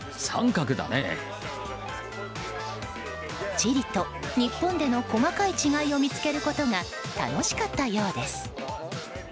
チリと日本での細かい違いを見つけることが楽しかったようです。